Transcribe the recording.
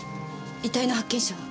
遺体の発見者は？